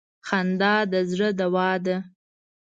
خندا د زړه دوا ده.